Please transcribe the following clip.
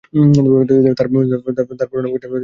তার পুরো নাম লরা জেইন অ্যাডামস।